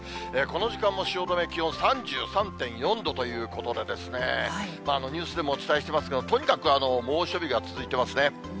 この時間も汐留、気温は３３．４度ということでですね、ニュースでもお伝えしてますけど、とにかく猛暑日が続いてますね。